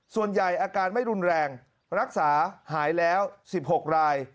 อาการไม่รุนแรงรักษาหายแล้ว๑๖ราย